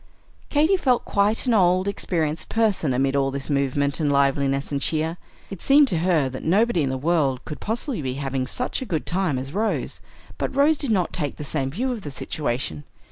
Katy felt quite an old, experienced person amid all this movement and liveliness and cheer. It seemed to her that nobody in the world could possibly be having such a good time as Rose; but Rose did not take the same view of the situation.